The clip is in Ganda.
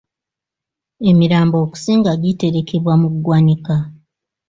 Emirambo okusinga giterekebwa mu ggwanika.